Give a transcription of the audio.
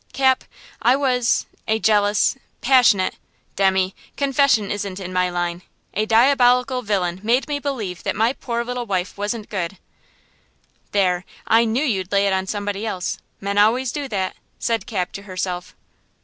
"Cap, I was–a jealous–passionate–Demmy, confession isn't in my line. A diabolical villain made me believe that my poor little wife wasn't good!" "There! I knew you'd lay it on somebody else. Men always do that," said Cap, to herself.